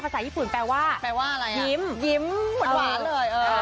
ภาษาญี่ปุ่นแปลว่ายิ้มยิ้มหมดหวาเลย